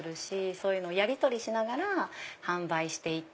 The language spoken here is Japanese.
そういうのをやりとりしながら販売していって。